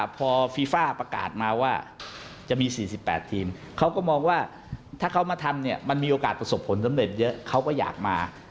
เพราะว่าถ้าเขามาทำเนี่ยมันมีโอกาสประสบควรสำเร็จเยอะเขาก็อยากมา